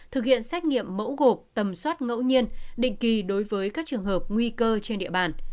thực hiện xét nghiệm mẫu gộp tầm soát ngẫu nhiên định kỳ đối với các trường hợp nguy cơ trên địa bàn